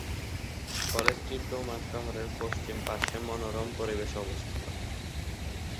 কলেজটি ডোমার শহরের পশ্চিম পার্শ্বে মনোরম পরিবেশে অবস্থিত।